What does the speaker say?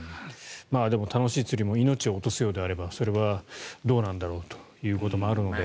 でも、楽しい釣りも命を落とすようであればそれはどうなんだろうということもあるので。